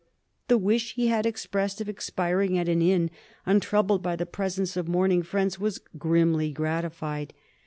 The wish he had expressed of expiring at an inn untroubled by the presence of mourn ing friends was grimly gratified.